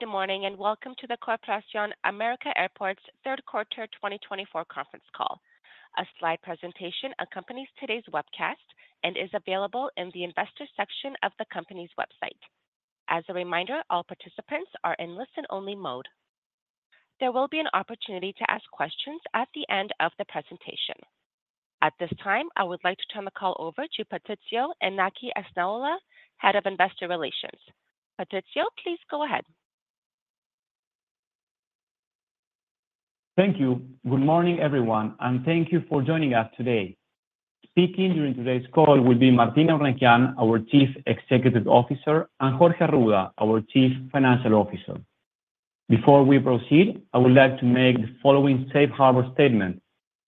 Good morning and welcome to the Corporación América Airports Third Quarter 2024 conference call. A slide presentation accompanies today's webcast and is available in the investor section of the company's website. As a reminder, all participants are in listen-only mode. There will be an opportunity to ask questions at the end of the presentation. At this time, I would like to turn the call over to Patricio Esnaola, Head of Investor Relations. Patricio, please go ahead. Thank you. Good morning, everyone, and thank you for joining us today. Speaking during today's call will be Martín Eurnekian, our Chief Executive Officer, and Jorge Arruda, our Chief Financial Officer. Before we proceed, I would like to make the following safe harbor statement.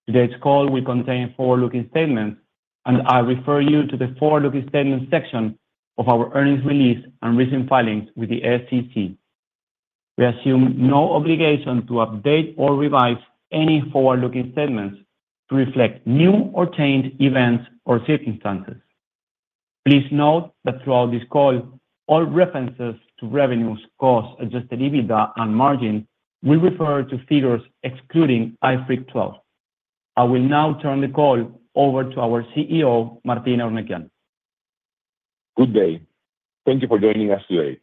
Today's call will contain forward-looking statements, and I refer you to the forward-looking statements section of our earnings release and recent filings with the SEC. We assume no obligation to update or revise any forward-looking statements to reflect new or changed events or circumstances. Please note that throughout this call, all references to revenues, costs, adjusted EBITDA, and margin will refer to figures excluding IFRIC 12. I will now turn the call over to our CEO, Martín Eurnekian. Good day. Thank you for joining us today.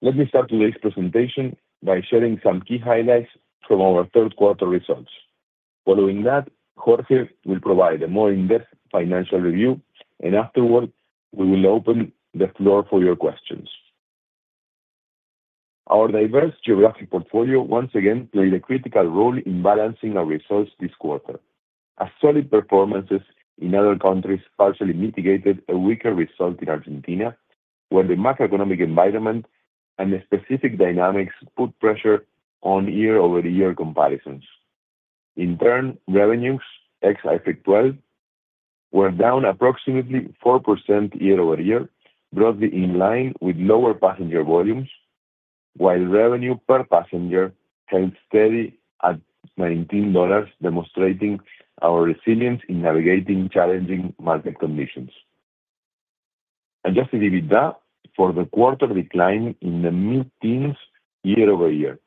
Let me start today's presentation by sharing some key highlights from our third quarter results. Following that, Jorge will provide a more in-depth financial review, and afterward, we will open the floor for your questions. Our diverse geographic portfolio once again played a critical role in balancing our results this quarter. Our solid performances in other countries partially mitigated a weaker result in Argentina, where the macroeconomic environment and the specific dynamics put pressure on year-over-year comparisons. In turn, revenues, ex IFRIC 12, were down approximately 4% year-over-year, broadly in line with lower passenger volumes, while revenue per passenger held steady at $19, demonstrating our resilience in navigating challenging market conditions. Adjusted EBITDA for the quarter declined in the mid-teens year-over-year,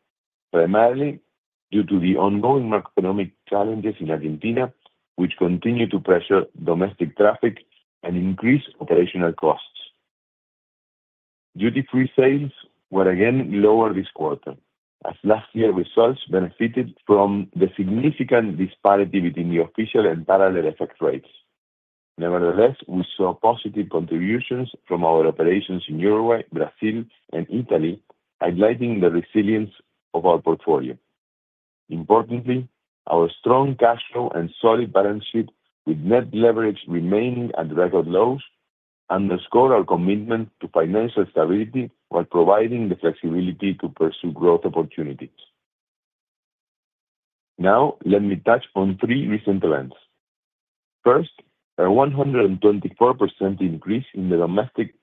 primarily due to the ongoing macroeconomic challenges in Argentina, which continue to pressure domestic traffic and increase operational costs. Duty-free sales were again lower this quarter, as last year's results benefited from the significant disparity between the official and parallel exchange rates. Nevertheless, we saw positive contributions from our operations in Uruguay, Brazil, and Italy, highlighting the resilience of our portfolio. Importantly, our strong cash flow and solid balance sheet with net leverage remaining at record lows underscore our commitment to financial stability while providing the flexibility to pursue growth opportunities. Now, let me touch on three recent events. First, a 124% increase in the domestic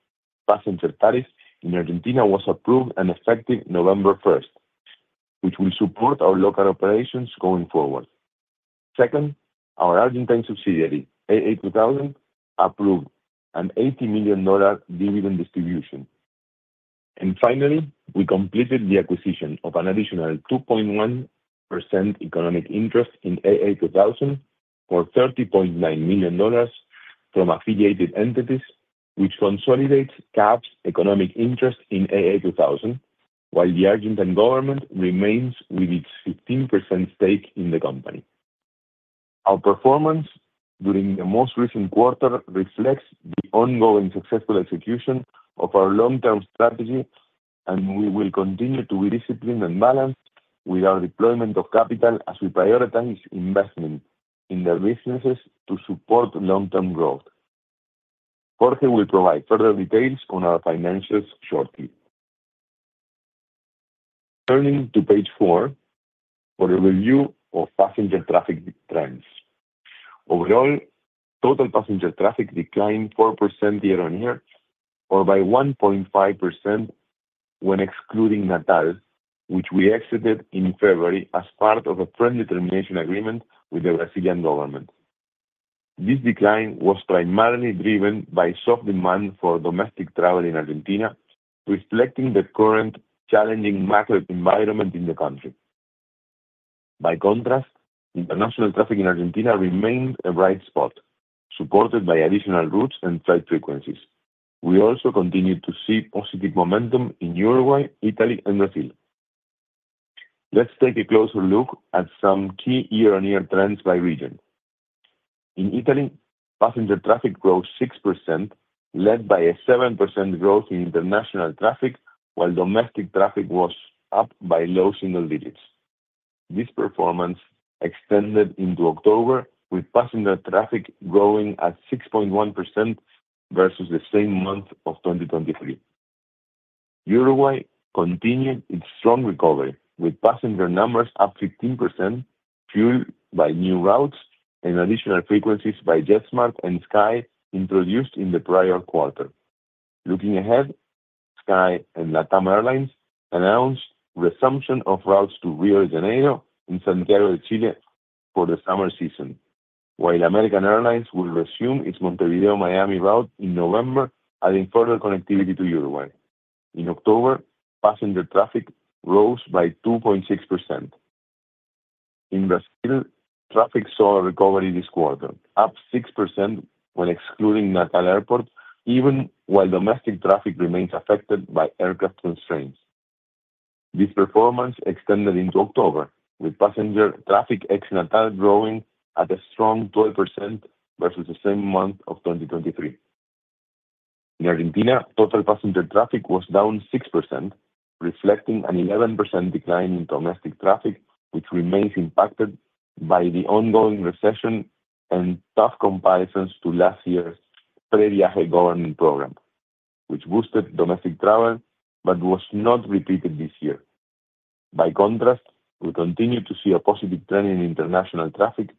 passenger tariffs in Argentina was approved and effective November 1st, which will support our local operations going forward. Second, our Argentine subsidiary, AA2000, approved an $80 million dividend distribution. And finally, we completed the acquisition of an additional 2.1% economic interest in AA2000 for $30.9 million from affiliated entities, which consolidates CAAP's economic interest in AA2000, while the Argentine government remains with its 15% stake in the company. Our performance during the most recent quarter reflects the ongoing successful execution of our long-term strategy, and we will continue to be disciplined and balanced with our deployment of capital as we prioritize investment in the businesses to support long-term growth. Jorge will provide further details on our financials shortly. Turning to page four for a review of passenger traffic trends. Overall, total passenger traffic declined 4% year-on-year, or by 1.5% when excluding Natal, which we exited in February as part of a friendly termination agreement with the Brazilian government. This decline was primarily driven by soft demand for domestic travel in Argentina, reflecting the current challenging macro environment in the country. By contrast, international traffic in Argentina remained a bright spot, supported by additional routes and flight frequencies. We also continued to see positive momentum in Uruguay, Italy, and Brazil. Let's take a closer look at some key year-on-year trends by region. In Italy, passenger traffic grows six%, led by a seven% growth in international traffic, while domestic traffic was up by low single digits. This performance extended into October, with passenger traffic growing at 6.1% versus the same month of 2023. Uruguay continued its strong recovery, with passenger numbers up 15%, fueled by new routes and additional frequencies by JetSMART and Sky introduced in the prior quarter. Looking ahead, Sky and LATAM Airlines announced the resumption of routes to Rio de Janeiro and Santiago de Chile for the summer season, while American Airlines will resume its Montevideo-Miami route in November, adding further connectivity to Uruguay. In October, passenger traffic rose by 2.6%. In Brazil, traffic saw a recovery this quarter, up 6% when excluding Natal Airport, even while domestic traffic remains affected by aircraft constraints. This performance extended into October, with passenger traffic ex Natal growing at a strong 12% versus the same month of 2023. In Argentina, total passenger traffic was down 6%, reflecting an 11% decline in domestic traffic, which remains impacted by the ongoing recession and tough comparisons to last year's PreViaje government program, which boosted domestic travel but was not repeated this year. By contrast, we continue to see a positive trend in international traffic,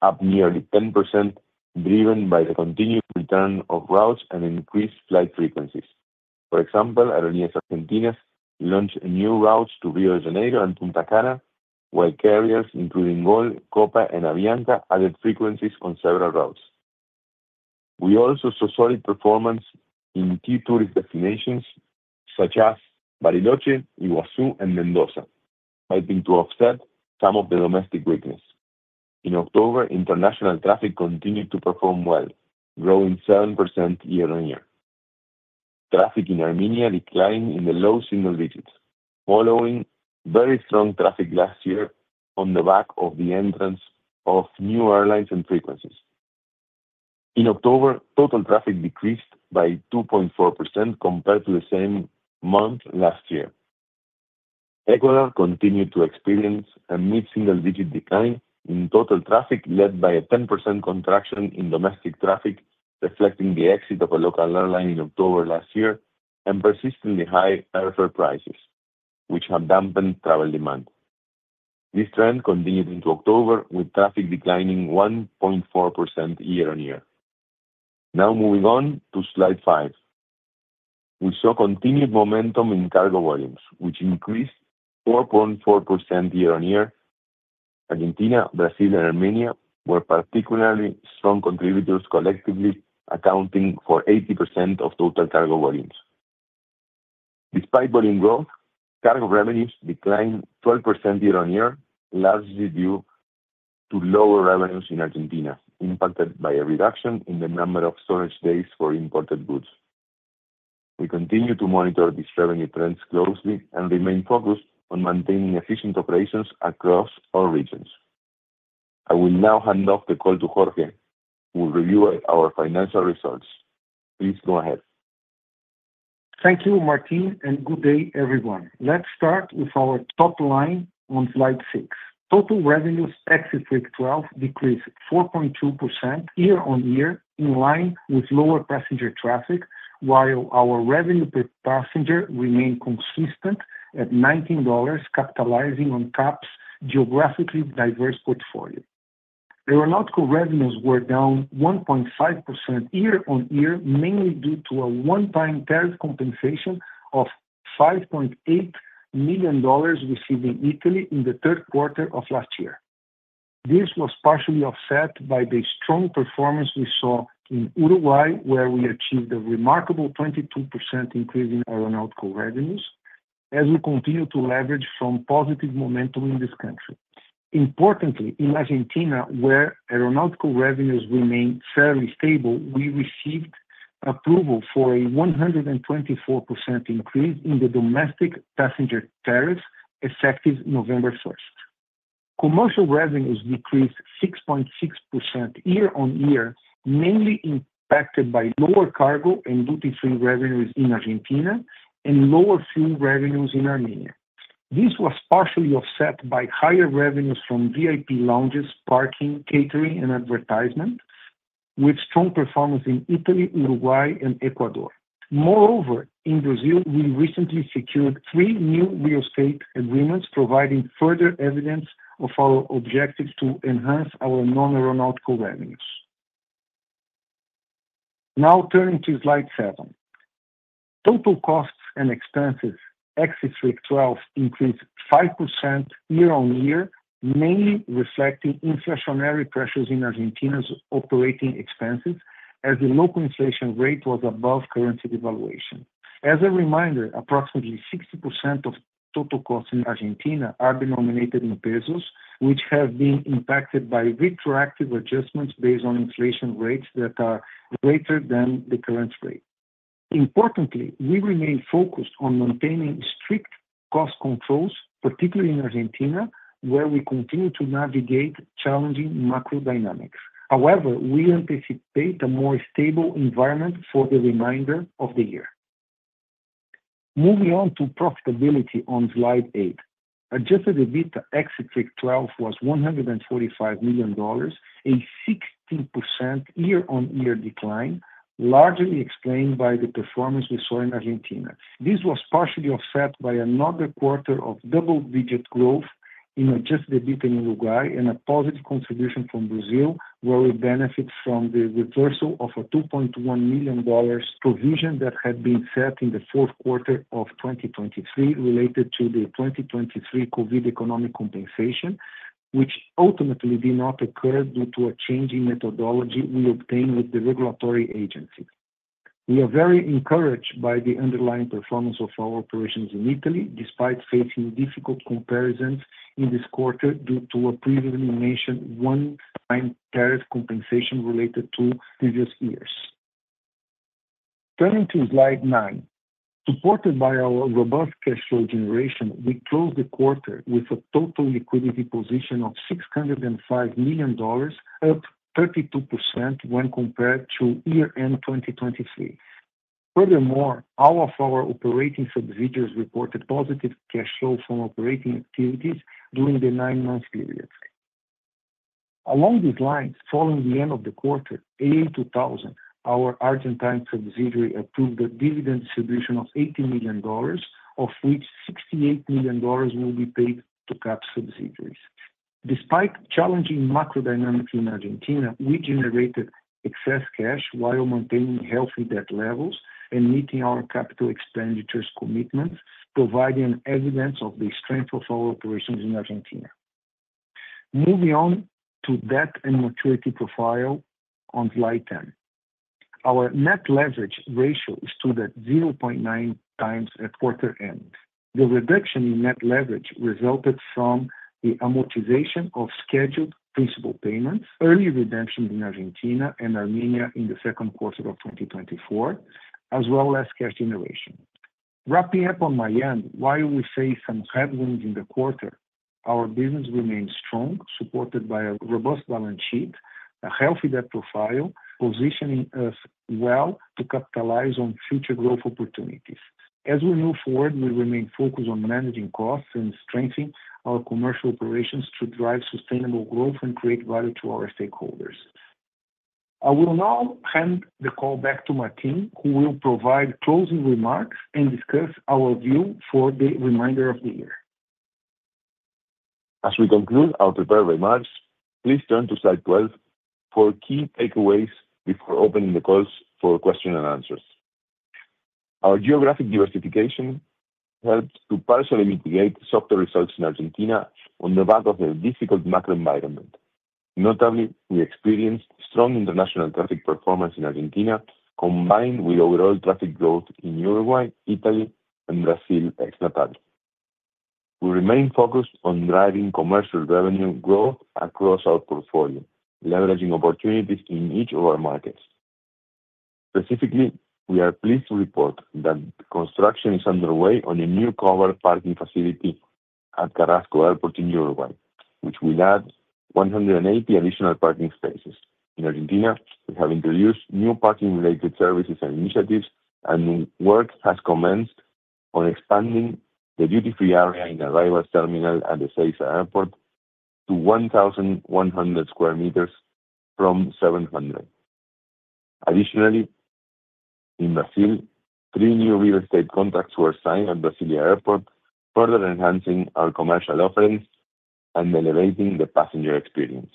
up nearly 10%, driven by the continued return of routes and increased flight frequencies. For example, Aerolíneas Argentinas launched new routes to Rio de Janeiro and Punta Cana, while carriers including GOL, Copa, and Avianca added frequencies on several routes. We also saw solid performance in key tourist destinations such as Bariloche, Iguazú, and Mendoza, helping to offset some of the domestic weakness. In October, international traffic continued to perform well, growing 7% year-on-year. Traffic in Armenia declined in the low single digits, following very strong traffic last year on the back of the entrance of new airlines and frequencies. In October, total traffic decreased by 2.4% compared to the same month last year. Ecuador continued to experience a mid-single-digit decline in total traffic, led by a 10% contraction in domestic traffic, reflecting the exit of a local airline in October last year and persistently high airfare prices, which have dampened travel demand. This trend continued into October, with traffic declining 1.4% year-on-year. Now, moving on to slide five. We saw continued momentum in cargo volumes, which increased 4.4% year-on-year. Argentina, Brazil, and Armenia were particularly strong contributors, collectively accounting for 80% of total cargo volumes. Despite volume growth, cargo revenues declined 12% year-on-year, largely due to lower revenues in Argentina, impacted by a reduction in the number of storage days for imported goods. We continue to monitor these revenue trends closely and remain focused on maintaining efficient operations across all regions. I will now hand off the call to Jorge, who will review our financial results. Please go ahead. Thank you, Martín, and good day, everyone. Let's start with our top line on slide six. Total revenues ex IFRIC 12 decreased 4.2% year-on-year, in line with lower passenger traffic, while our revenue per passenger remained consistent at $19, capitalizing on CAAP's geographically diverse portfolio. Aeronautical revenues were down 1.5% year-on-year, mainly due to a one-time tariff compensation of $5.8 million received in Italy in the third quarter of last year. This was partially offset by the strong performance we saw in Uruguay, where we achieved a remarkable 22% increase in aeronautical revenues, as we continue to leverage from positive momentum in this country. Importantly, in Argentina, where aeronautical revenues remained fairly stable, we received approval for a 124% increase in the domestic passenger tariffs effective November 1st. Commercial revenues decreased 6.6% year-on-year, mainly impacted by lower cargo and duty-free revenues in Argentina and lower fuel revenues in Armenia. This was partially offset by higher revenues from VIP lounges, parking, catering, and advertisement, with strong performance in Italy, Uruguay, and Ecuador. Moreover, in Brazil, we recently secured three new real estate agreements, providing further evidence of our objective to enhance our non-aeronautical revenues. Now, turning to slide seven. Total costs and expenses ex IFRIC 12 increased 5% year-on-year, mainly reflecting inflationary pressures in Argentina's operating expenses, as the local inflation rate was above currency devaluation. As a reminder, approximately 60% of total costs in Argentina are denominated in pesos, which have been impacted by retroactive adjustments based on inflation rates that are greater than the current rate. Importantly, we remain focused on maintaining strict cost controls, particularly in Argentina, where we continue to navigate challenging macro dynamics. However, we anticipate a more stable environment for the remainder of the year. Moving on to profitability on slide eight. Adjusted EBITDA ex IFRIC 12 was $145 million, a 16% year-on-year decline, largely explained by the performance we saw in Argentina. This was partially offset by another quarter of double-digit growth in adjusted EBITDA in Uruguay and a positive contribution from Brazil, where we benefited from the reversal of a $2.1 million provision that had been set in the fourth quarter of 2023, related to the 2023 COVID economic compensation, which ultimately did not occur due to a change in methodology we obtained with the regulatory agencies. We are very encouraged by the underlying performance of our operations in Italy, despite facing difficult comparisons in this quarter due to a previously mentioned one-time tariff compensation related to previous years. Turning to slide nine. Supported by our robust cash flow generation, we closed the quarter with a total liquidity position of $605 million, up 32% when compared to year-end 2023. Furthermore, all of our operating subsidiaries reported positive cash flow from operating activities during the nine-month period. Along these lines, following the end of the quarter, AA2000, our Argentine subsidiary, approved a dividend distribution of [$80 billion], of which [$68 billion] will be paid to CAAP subsidiaries. Despite challenging macro dynamics in Argentina, we generated excess cash while maintaining healthy debt levels and meeting our capital expenditure commitments, providing evidence of the strength of our operations in Argentina. Moving on to debt and maturity profile on slide 10. Our net leverage ratio stood at 0.9x at quarter end. The reduction in net leverage resulted from the amortization of scheduled principal payments, early redemption in Argentina and Armenia in the second quarter of 2024, as well as cash generation. Wrapping up on my end, while we face some headwinds in the quarter, our business remains strong, supported by a robust balance sheet, a healthy debt profile, positioning us well to capitalize on future growth opportunities. As we move forward, we remain focused on managing costs and strengthening our commercial operations to drive sustainable growth and create value to our stakeholders. I will now hand the call back to Martín, who will provide closing remarks and discuss our view for the remainder of the year. As we conclude our prepared remarks, please turn to slide 12 for key takeaways before opening the call for questions and answers. Our geographic diversification helped to partially mitigate softer results in Argentina on the back of the difficult macro environment. Notably, we experienced strong international traffic performance in Argentina, combined with overall traffic growth in Uruguay, Italy, and Brazil ex Natal. We remain focused on driving commercial revenue growth across our portfolio, leveraging opportunities in each of our markets. Specifically, we are pleased to report that construction is underway on a new covered parking facility at Carrasco Airport in Uruguay, which will add 180 additional parking spaces. In Argentina, we have introduced new parking-related services and initiatives, and work has commenced on expanding the duty-free area in Arrivals Terminal at the Ezeiza Airport to 1,100 square meters from 700. Additionally, in Brazil, three new real estate contracts were signed at Brasília Airport, further enhancing our commercial offerings and elevating the passenger experience.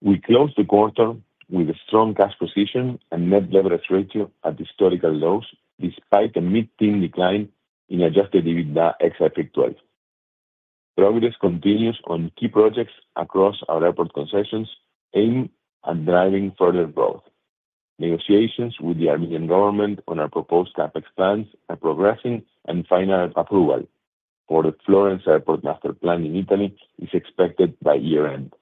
We closed the quarter with a strong cash position and net leverage ratio at historical lows, despite a mid-teen decline in adjusted EBITDA ex IFRIC 12. Progress continues on key projects across our airport concessions, aimed at driving further growth. Negotiations with the Armenian government on our proposed CAPEX expansion are progressing, and final approval for the Florence Airport Master Plan in Italy is expected by year-end.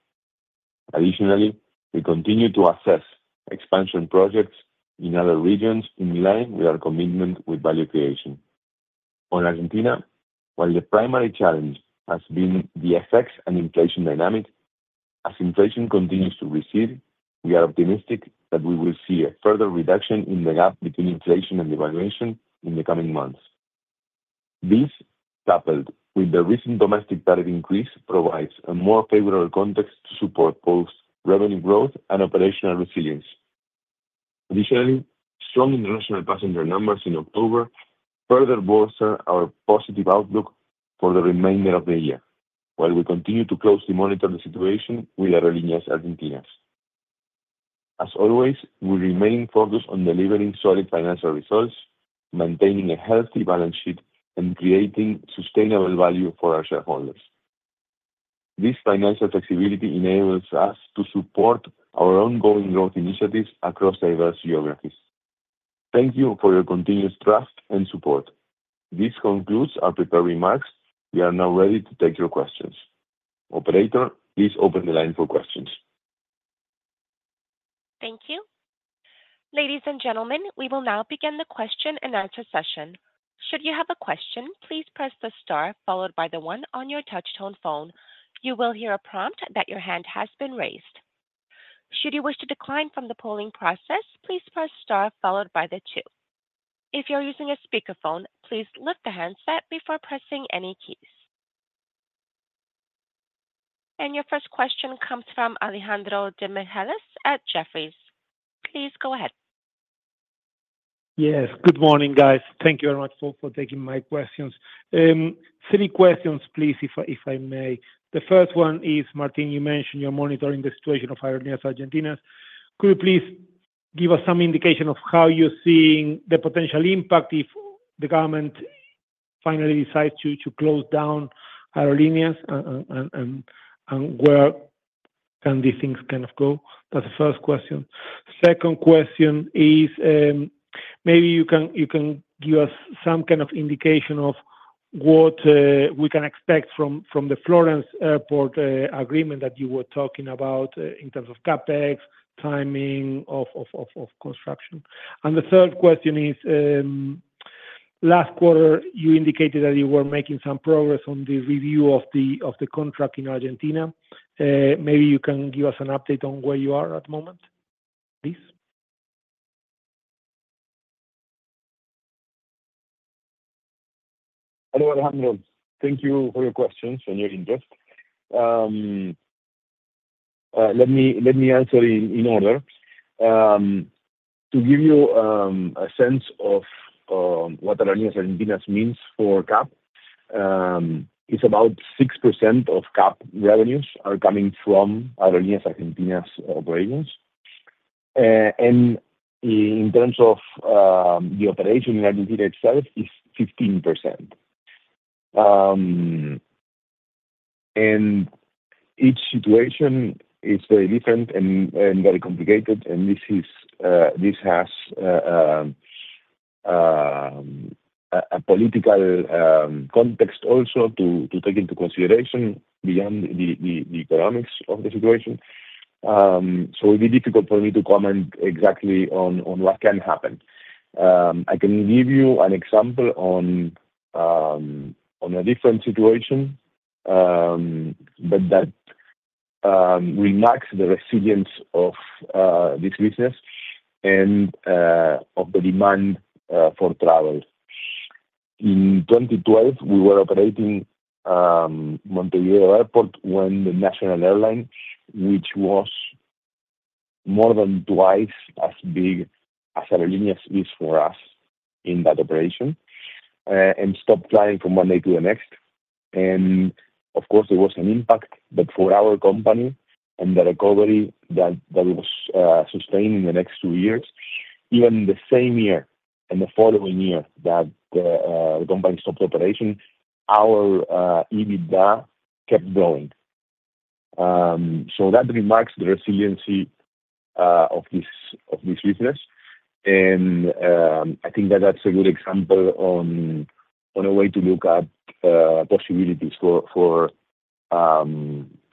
Additionally, we continue to assess expansion projects in other regions in line with our commitment with value creation. On Argentina, while the primary challenge has been the FX and inflation dynamic, as inflation continues to recede, we are optimistic that we will see a further reduction in the gap between inflation and devaluation in the coming months. This, coupled with the recent domestic tariff increase, provides a more favorable context to support both revenue growth and operational resilience. Additionally, strong international passenger numbers in October further bolster our positive outlook for the remainder of the year, while we continue to closely monitor the situation with Aerolíneas Argentinas. As always, we remain focused on delivering solid financial results, maintaining a healthy balance sheet, and creating sustainable value for our shareholders. This financial flexibility enables us to support our ongoing growth initiatives across diverse geographies. Thank you for your continued trust and support. This concludes our prepared remarks. We are now ready to take your questions. Operator, please open the line for questions. Thank you. Ladies and gentlemen, we will now begin the question and answer session. Should you have a question, please press the star followed by the one on your touch-tone phone. You will hear a prompt that your hand has been raised. Should you wish to decline from the polling process, please press star followed by the two. If you're using a speakerphone, please lift the handset before pressing any keys. And your first question comes from Alejandro Demichelis at Jefferies. Please go ahead. Yes, good morning, guys. Thank you very much for taking my questions. Three questions, please, if I may. The first one is, Martín, you mentioned you're monitoring the situation of Aerolíneas Argentinas. Could you please give us some indication of how you're seeing the potential impact if the government finally decides to close down Aerolíneas, and where can these things kind of go? That's the first question. Second question is, maybe you can give us some kind of indication of what we can expect from the Florence Airport agreement that you were talking about in terms of CAPEX, timing of construction. And the third question is, last quarter, you indicated that you were making some progress on the review of the contract in Argentina. Maybe you can give us an update on where you are at the moment, please. Hello, Alejandro. Thank you for your questions and your interest. Let me answer in order. To give you a sense of what Aerolíneas Argentinas means for CAAP, it's about 6% of CAAP revenues are coming from Aerolíneas Argentinas operations, and in terms of the operation in Argentina itself, it's 15%, and each situation is very different and very complicated, and this has a political context also to take into consideration beyond the economics of the situation, so it'd be difficult for me to comment exactly on what can happen. I can give you an example on a different situation, but that will show the resilience of this business and of the demand for travel. In 2012, we were operating Montevideo Airport when the national airline, which was more than twice as big as Aerolíneas Argentinas is for us in that operation, stopped flying from one day to the next. Of course, there was an impact, but for our company and the recovery that was sustained in the next two years, even the same year and the following year that the company stopped operation, our EBITDA kept growing. That remarks the resiliency of this business. I think that that's a good example on a way to look at possibilities for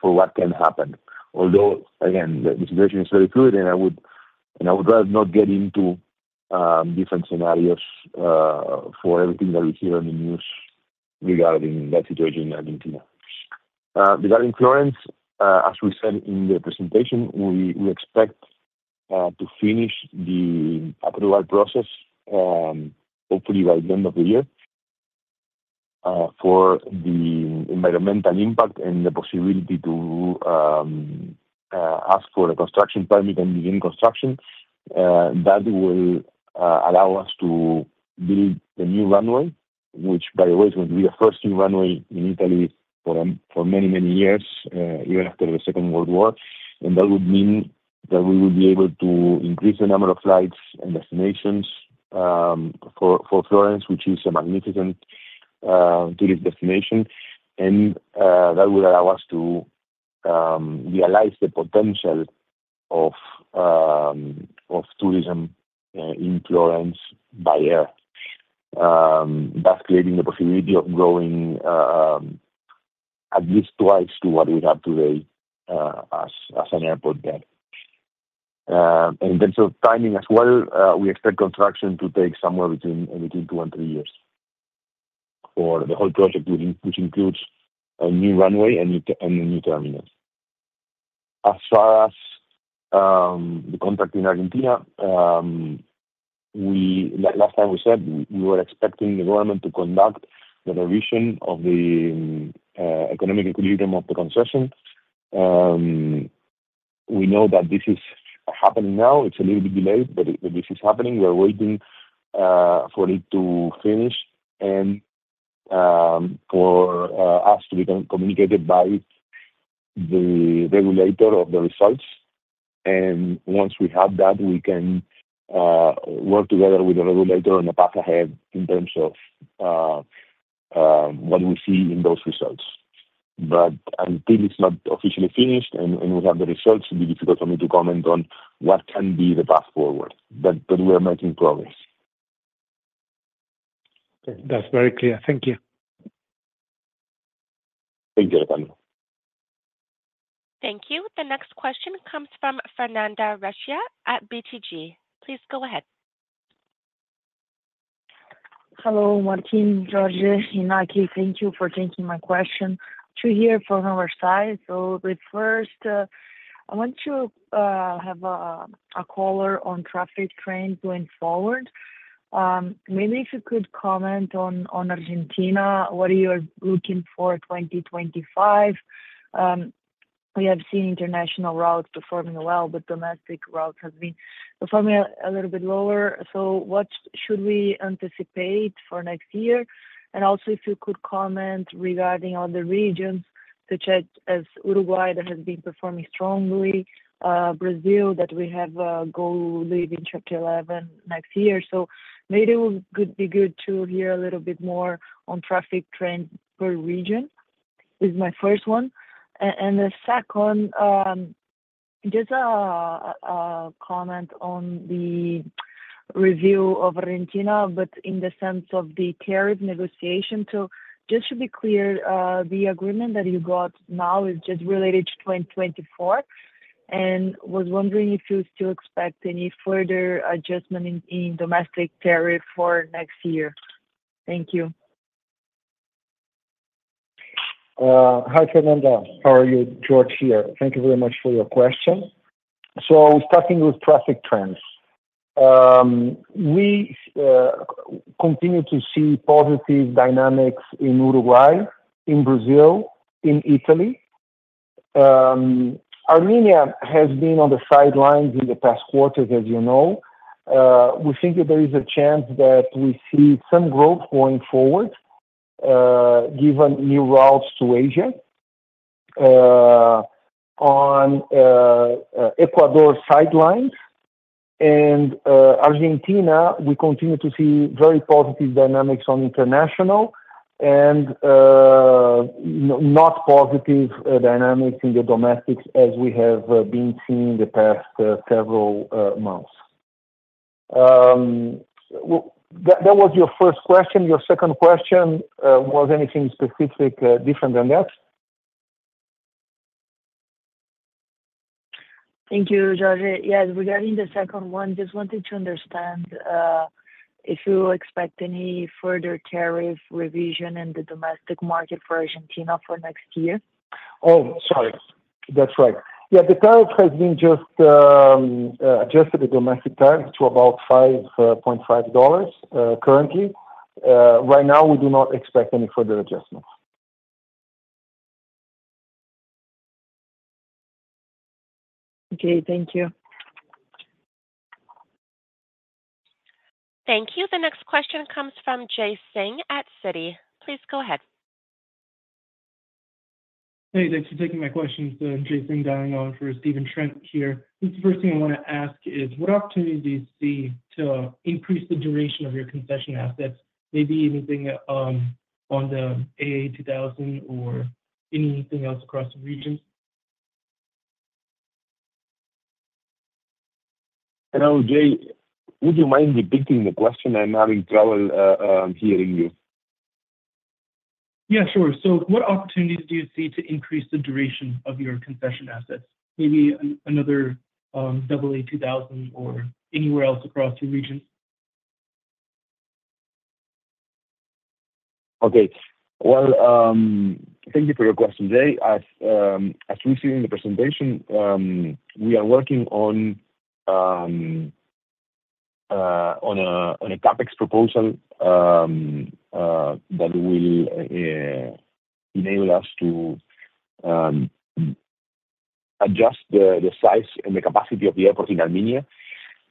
what can happen. Although again, the situation is very fluid, and I would rather not get into different scenarios for everything that we hear on the news regarding that situation in Argentina. Regarding Florence, as we said in the presentation, we expect to finish the approval process, hopefully by the end of the year, for the environmental impact and the possibility to ask for a construction permit and begin construction. That will allow us to build the new runway, which, by the way, is going to be the first new runway in Italy for many, many years, even after the Second World War. And that would mean that we will be able to increase the number of flights and destinations for Florence, which is a magnificent tourist destination. And that will allow us to realize the potential of tourism in Florence by air, thus creating the possibility of growing at least twice to what we have today as an airport there. And in terms of timing as well, we expect construction to take somewhere between two and three years for the whole project, which includes a new runway and a new terminal. As far as the contract in Argentina, last time we said we were expecting the government to conduct the revision of the economic equilibrium of the concession. We know that this is happening now. It's a little bit delayed, but this is happening. We're waiting for it to finish and for us to be communicated by the regulator of the results. And once we have that, we can work together with the regulator on the path ahead in terms of what we see in those results. But until it's not officially finished and we have the results, it'd be difficult for me to comment on what can be the path forward, but we are making progress. Okay. That's very clear. Thank you. Thank you, Alejandro. Thank you. The next question comes from Fernanda Recchia at BTG. Please go ahead. Hello, Martín, Jorge, and Iñaki. Thank you for taking my question. Two here from our side. So the first, I want to have a color on traffic trends going forward. Maybe if you could comment on Argentina, what are you looking for 2025? We have seen international routes performing well, but domestic routes have been performing a little bit lower. So what should we anticipate for next year? And also, if you could comment regarding other regions, such as Uruguay that has been performing strongly, Brazil that we have a GOL leaving Chapter 11 next year. So maybe it would be good to hear a little bit more on traffic trends per region is my first one. And the second, just a comment on the revenue of Argentina, but in the sense of the tariff negotiation. So just to be clear, the agreement that you got now is just related to 2024, and was wondering if you still expect any further adjustment in domestic tariff for next year? Thank you. Hi, Fernanda. How are you? Jorge here. Thank you very much for your question. So starting with traffic trends, we continue to see positive dynamics in Uruguay, in Brazil, in Italy. Armenia has been on the sidelines in the past quarter, as you know. We think that there is a chance that we see some growth going forward given new routes to Asia. On Ecuador's sidelines. Argentina, we continue to see very positive dynamics on international and not positive dynamics in the domestics as we have been seeing the past several months. That was your first question. Your second question was anything specific different than that? Thank you, Jorge. Yes, regarding the second one, just wanted to understand if you expect any further tariff revision in the domestic market for Argentina for next year? Oh, sorry. That's right. Yeah, the tariff has been just adjusted to domestic tariff to about $5.5 currently. Right now, we do not expect any further adjustments. Okay. Thank you. Thank you. The next question comes from Jay Singh at Citi. Please go ahead. Hey, thanks for taking my questions. Jay Singh dialing on for Stephen Trent here. The first thing I want to ask is, what opportunities do you see to increase the duration of your concession assets? Maybe anything on the AA2000 or anything else across the region? Hello, Jay. Would you mind repeating the question? I'm having trouble hearing you. Yeah, sure. So what opportunities do you see to increase the duration of your concession assets? Maybe another AA2000 or anywhere else across the region? Okay. Well, thank you for your question, Jay. As we see in the presentation, we are working on a CapEx proposal that will enable us to adjust the size and the capacity of the airport in Armenia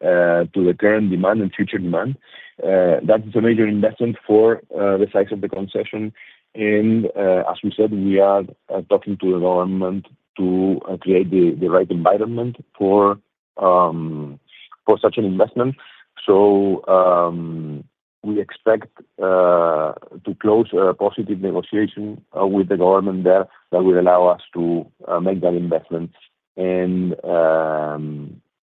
to the current demand and future demand. That's the major investment for the size of the concession. And as we said, we are talking to the government to create the right environment for such an investment. So we expect to close a positive negotiation with the government there that will allow us to make that investment. And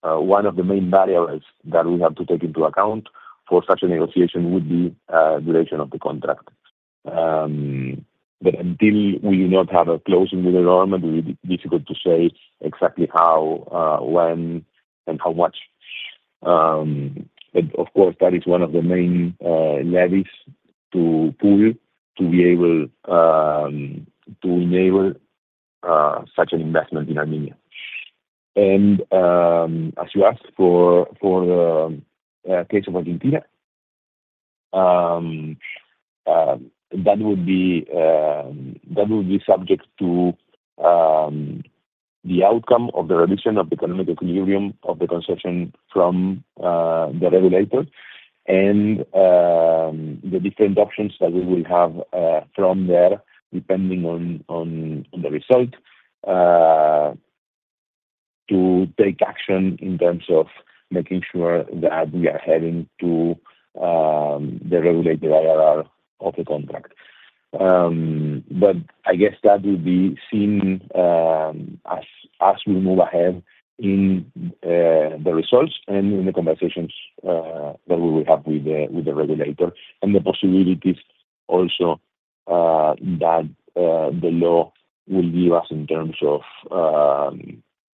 one of the main variables that we have to take into account for such a negotiation would be the duration of the contract. But until we do not have a closing with the government, it will be difficult to say exactly how, when, and how much. Of course, that is one of the main levers to pull to be able to enable such an investment in Armenia. As you asked for the case of Argentina, that would be subject to the outcome of the revision of the economic equilibrium of the concession from the regulator and the different options that we will have from there depending on the result to take action in terms of making sure that we are heading to the regulatory IRR of the contract. I guess that will be seen as we move ahead in the results and in the conversations that we will have with the regulator and the possibilities also that the law will give us in terms of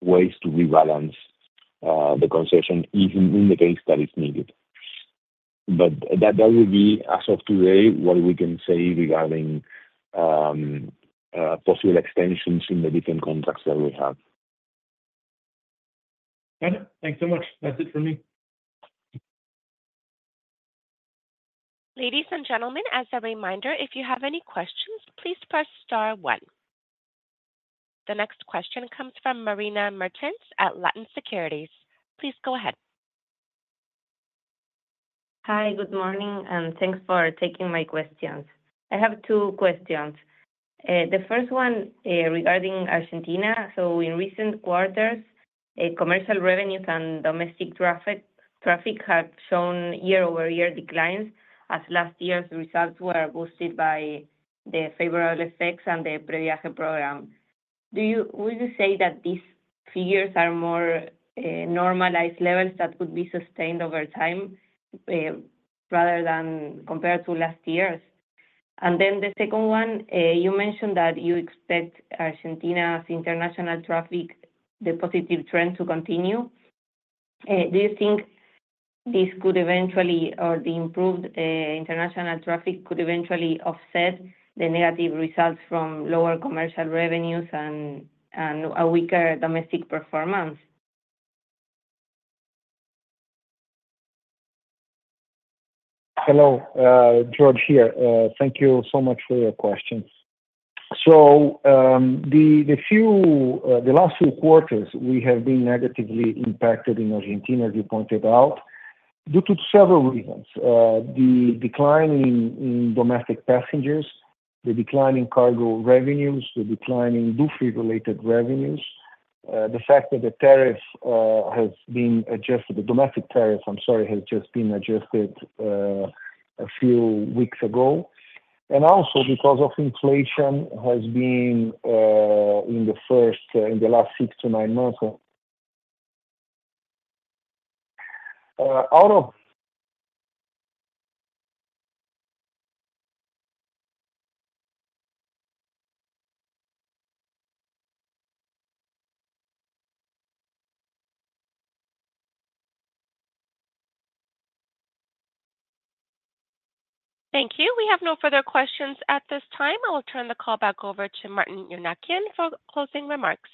ways to rebalance the concession in the case that it's needed. But that will be, as of today, what we can say regarding possible extensions in the different contracts that we have. Got it. Thanks so much. That's it for me. Ladies and gentlemen, as a reminder, if you have any questions, please press star one. The next question comes from Marina Mertens at Latin Securities. Please go ahead. Hi, good morning, and thanks for taking my questions. I have two questions. The first one regarding Argentina. So in recent quarters, commercial revenues and domestic traffic have shown year-over-year declines as last year's results were boosted by the favorable effects and the PreViaje program. Would you say that these figures are more normalized levels that could be sustained over time rather than compared to last years? And then the second one, you mentioned that you expect Argentina's international traffic, the positive trend to continue. Do you think this could eventually, or the improved international traffic could eventually offset the negative results from lower commercial revenues and a weaker domestic performance? Hello, Jorge here. Thank you so much for your questions. So the last few quarters, we have been negatively impacted in Argentina, as you pointed out, due to several reasons. The decline in domestic passengers, the decline in cargo revenues, the decline in duty-related revenues, the fact that the tariff has been adjusted, the domestic tariff, I'm sorry, has just been adjusted a few weeks ago. And also because of inflation has been in the last six to nine months. Out of. Thank you. We have no further questions at this time. I will turn the call back over to Martin Eurnekian for closing remarks.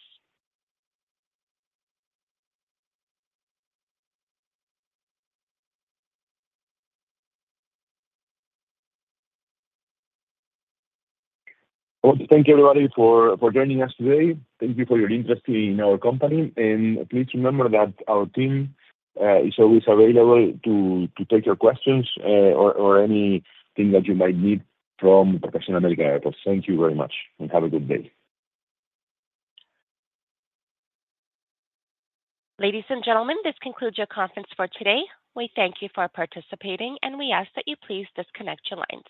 Thank you, everybody, for joining us today. Thank you for your interest in our company. Please remember that our team is always available to take your questions or anything that you might need from the Corporación América Airports. Thank you very much, and have a good day. Ladies and gentlemen, this concludes your conference for today. We thank you for participating, and we ask that you please disconnect your lines.